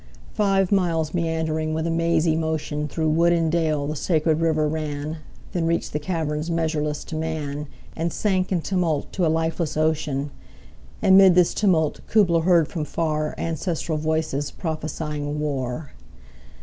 Five miles meandering with a mazy motion 25 Through wood and dale the sacred river ran, Then reach'd the caverns measureless to man, And sank in tumult to a lifeless ocean: And 'mid this tumult Kubla heard from far Ancestral voices prophesying war!